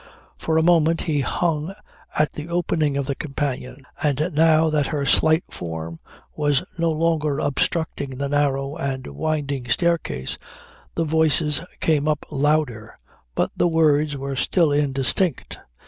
For a moment he hung at the opening of the companion and now that her slight form was no longer obstructing the narrow and winding staircase the voices came up louder but the words were still indistinct.